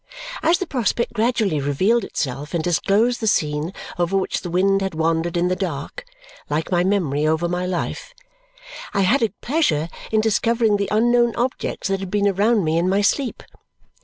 As the prospect gradually revealed itself and disclosed the scene over which the wind had wandered in the dark, like my memory over my life, I had a pleasure in discovering the unknown objects that had been around me in my sleep.